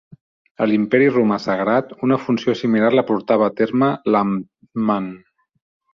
A l'Imperi Romà Sagrat una funció similar la portava a terme l'"Amtmann".